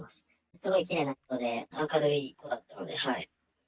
すごいきれいな人で、明るい子だったので。